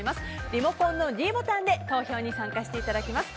リモコンのｄボタンで投票に参加していただきます。